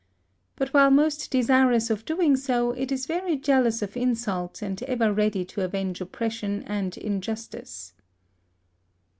But while most desirous of doing so, it is very jealous of insult, and ever ready to avenge oppression and injustice.